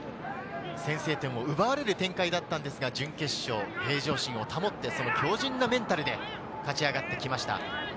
先制点を奪われる展開だったんですが、準決勝、平常心を保って強靭なメンタルで勝ち上がってきました。